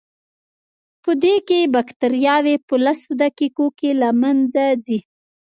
پدې کې بکټریاوې په لسو دقیقو کې له منځه ځي.